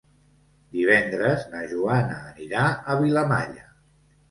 Divendres na Joana anirà a Vilamalla.